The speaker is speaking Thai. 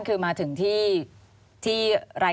ควิทยาลัยเชียร์สวัสดีครับ